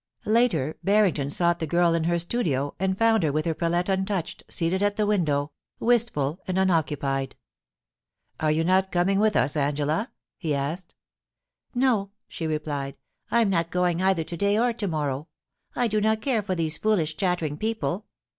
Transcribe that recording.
Later, Barrington sought the girl in her studio, and found her with her palette untouched, seated at the window, wistful and unoccupied. * Are you not coming with us, Angela ?* he asked. * No,' she replied ;* I am not going either to day or to morrow. I do not care for these foolish chattering people.